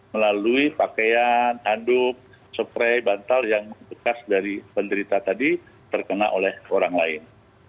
melalui pakaian handuk spray bantal yang bekas dari penderita tadi terkena oleh orang lain